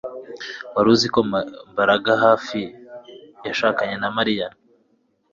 Wari uzi ko Mbaraga hafi yashakanye na Mariya